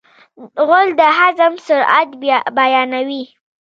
غول د هضم سرعت بیانوي.